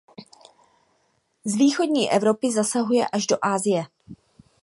Z východní Evropy zasahuje až do Asie.